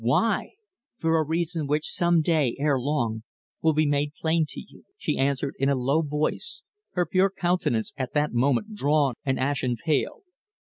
"Why?" "For a reason which some day ere long will be made plain to you," she answered in a low voice, her pure countenance at that moment drawn and ashen pale.